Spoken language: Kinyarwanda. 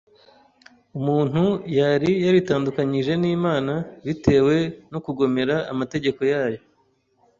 Umuntu yari yaritandukanyije n’Imana bitewe no kugomera amategeko yayo,